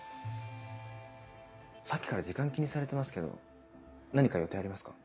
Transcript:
さっきから時間気にされてますけど何か予定ありますか？